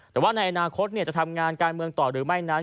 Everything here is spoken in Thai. แต่ว่าในอนาคตจะทำงานการเมืองต่อหรือไม่นั้น